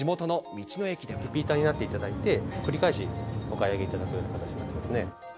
リピーターになっていただいて、繰り返しお買い上げいただく形になりますね。